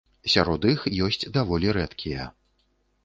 Сярод іх ёсць даволі рэдкія.